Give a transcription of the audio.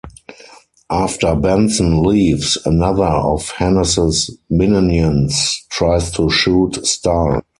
After Benson leaves, another of Hennes' minions tries to shoot Starr.